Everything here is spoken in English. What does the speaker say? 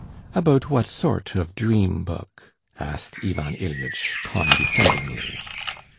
"About what sort of 'dream book'?" asked Ivan Ilyitch condescendingly.